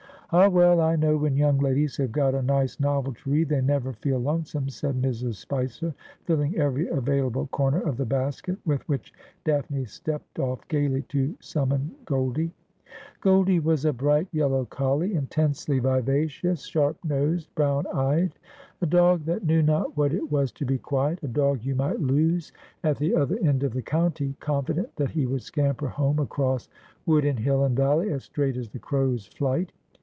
' Ah, well ; I know when young ladies have got a nice novel to read they never feel lonesome,' said Mrs. Spicer, filling every available corner of the basket, with which Daphne stepped off gaily to summon Goldie. Goldie was a bright yellow collie, intensely vivacious, sharp nosed, brown eyed ; a dog that knew not what it was to be quiet ; a dog you might lose at the other end of the county, confident that he would scamper home across wood and hill and valley as straight as the crow's flight.